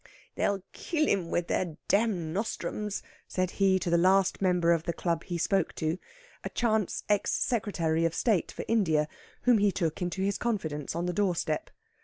"They'll kill him with their dam nostrums," said he to the last member of the Club he spoke to, a chance ex Secretary of State for India, whom he took into his confidence on the doorstep.